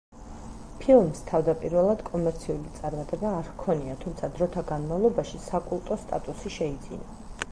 ფილმს თავდაპირველად კომერციული წარმატება არ ჰქონია, თუმცა დროთა განმავლობაში საკულტო სტატუსი შეიძინა.